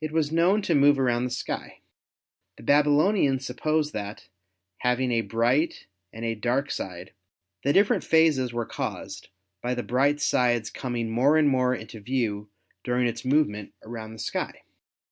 It was known to move around the sky. The Babylonians supposed that, having a bright and a dark side, the different phases were caused by the bright side's coming more and more into view during its movement around the sky.